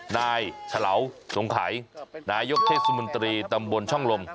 นายฉลาวสงขัยนายกเทศมนตรีตำบลช่องลม